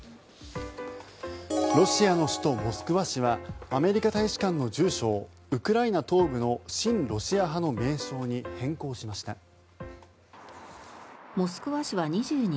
ロシアの首都モスクワ市はアメリカ大使館の住所をウクライナ東部の親ロシア派の名称にモスクワ市は２２日